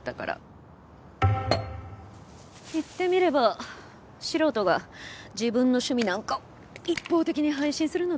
言ってみれば素人が自分の趣味なんかを一方的に配信するのと同じ。